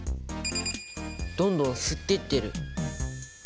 どんどん吸っていってる。